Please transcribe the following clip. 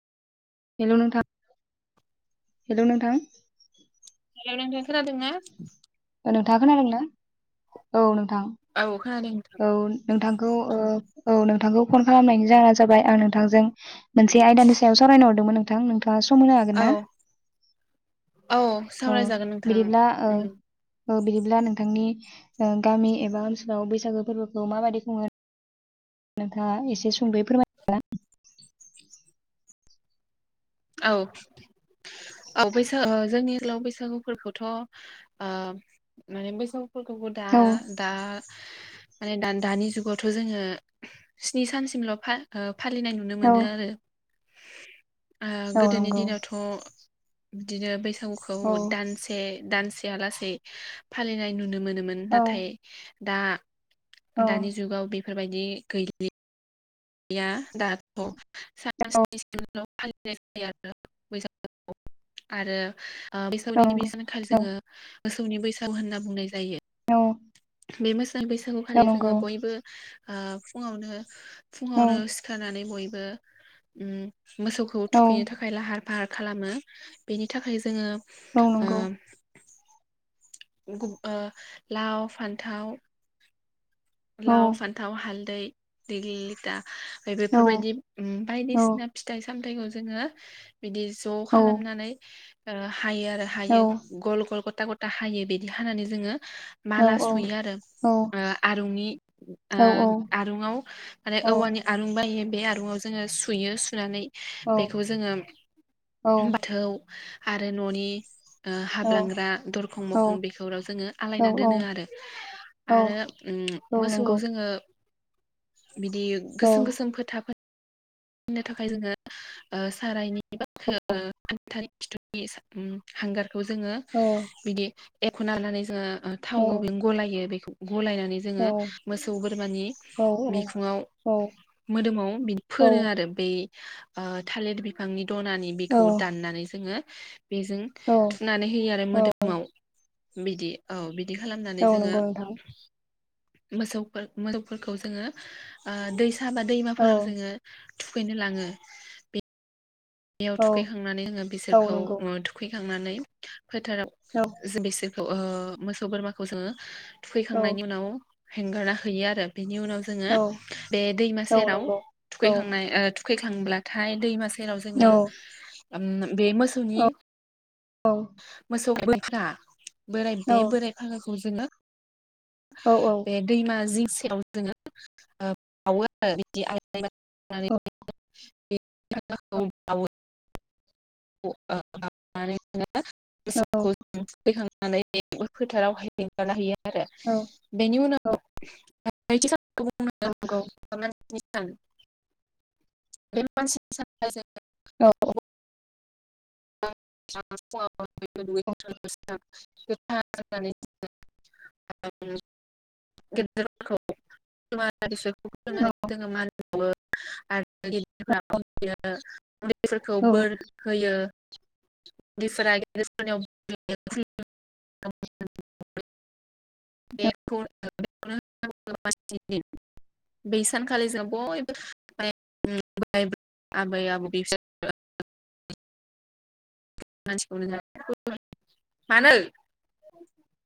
हेल' नोंथां हेल' नोंथां। हेल' नोंथां खोनादोंना? नोंथाङा खोनादोंना? औ नोंथां। औ। खोनादों नोंथां औ नोंथांखौ ओ औ नोंथांखौ फन खालामनायनि जाहोना जाबाय आं नोंथांजों मोनसे आयदानि सायाव सावरायनो हरदों मोन नोंथां नों नोंथाङा सम होनो हागोन ना? औ औ औ सावरायजागोन नोंथां। बिदिब्ला ओ उम ओ बिदिब्ला नोंथां नोंनि ओ गामि एबा ओनसोलाव बैसागो फोरबोखौ माबायदि खुङो? नोंथाङा एसे संद'यै फोरमाय [unintelligible] औ औ बैसा ओ जोंनि आथिखालाव बैसागु फोरखौथ' ओ माने बैसागु फोरखौबो दा औ दा माने दा दानि जुगावथ जोङो स्नि सान सिमल' फा ओ फालिनाय नुनो औ मोनो आरो। ओ औ गोदोनि नंगौ दिनावथ बिदिनो बैसागुखौ औ दानसे दानसे या लासेै फालिनाय नुनो मोनोमोन औ नाथाय दा औ दानि जुगाव बेफोर बायदि गैलि या दाथ' [unintelligible] आरो ओ औ बैसागुनि गिबि नंगौ सानखौ औ जोङो मोसौनि बैसागु होनना बुंनाय जायो। औ बे मोसौ बैसागु खालि नंगौ जोङो बयबो ओ फुङावनो औ फुङावनो सिखार नानै बयबो उम मोसौखौ औ थुखैनो थाखाय लाहार फाहार खालामो बेनि थाखाय जोङो औ ओ नंगौ। गुब ओ लाव, फान्थाव औ लाव, फान्थाव, हालदै, दैग्लि लिथा ओमफाय बेफोर औ बायदि ओम औ बायदिसिना फिथाइ सामथाइखौ जोङो बिदि ज' औ खालामनानै ओ हायो आरो हायो गल गल गथ गथा गथा हायो बिदि हानानै जोङो औ माला सुयो आरो औ ओ आट दुंनि ओ औ आरुं आव माने औ औवानि आरुं बाय बे बे आरुं आव जोङो सुयो सुनानै बेखौ जोङो औ बाथौ आरो ननि ओ औ हाबलांग्रा दरखं मोखं बेफोराव जोङो आलायना दोनो आरो आरो औ उम मोसौ आव नंगौ जोङो बिदि औ गोसोम गोसोम फोथा फोर फोननो थाखाय जोङो ओ सारायनि [unintelligible] हांगार बेखौ जोङो औ बिदि एख'नानै जोङो औ थाव [unintelligible] गलायो बेखौ गलायनानै औ जोङो मोसौ बोरमानि बिखुङाव औ मोदोमाव बेनि औ फोनो आरो बै ओ थालिर बिफांनि दनानि बेखौ दाननानै जोङो बेजों थुनानै होयो आरो मोदोमाव बिदि औ बि बिदि औ खालामनानै जोङो नंगौ नोंथां मोसौ फोर मोसौ फोरखौ जोङो ओ दैसा बा दैमा औ फोराव जोङो थुखैनो लाङो बे बेयाव औ थुखैखांनानै जोङो औ बिसोरखौ नंगौ ओ थुखैखांनानै फोथाराव औ बिसोरखौ औ मोसौ बोरमाखौ जोङो औ थुखैखांनायनि उनाव हेंगारना होयो आरो बेनि उनाव जोङो औ बे दैमा औ सेराव नंगौ औ थुखैखांनाय ओ थु खैखांब्लाथाय दैमा सेराव औ जोङो बे मोसौनि औ मोसौ [unintelligible] बोराय बे बोराय फागाखौ जोङो औ बे दैमा जिं सेराव जोङो बावो [unintelligible] [unintelligible] [unintelligible] आरो बेनि औ उनाव नंगौ [unintelligible] [unintelligible] बे मानसि [unintelligible] औ। [unintelligible] [unintelligible] [unintelligible] उन्दैफोरखौ औ बोर होयो। [unintelligible] [unintelligible] बै सानखालि जों बयबो [unintelligible] [unintelligible] आबै आबौ [unintelligible] मानसि [unintelligible] मानो?